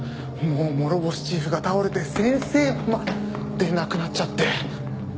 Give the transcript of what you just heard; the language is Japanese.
もう諸星チーフが倒れて先生まで亡くなっちゃって。